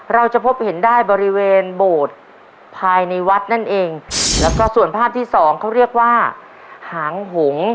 เราจะพบเห็นได้บริเวณโบสถ์ภายในวัดนั่นเองแล้วก็ส่วนภาพที่สองเขาเรียกว่าหางหง